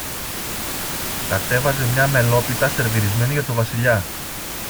κατέβαζε μια μελόπιτα σερβιρισμένη για το Βασιλιά.